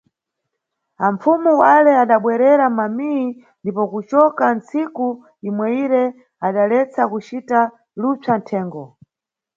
Ampfumu wale adabwerera mʼmamiyi, ndipo kucoka ntsiku imweyire, adaletsa kucita lupsa nʼthengo.